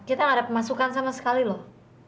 kita gak ada pemasukan sama sekali loh